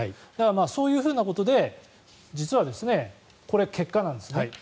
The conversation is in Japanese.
そういうふうなことで実はこれ、結果なんですね。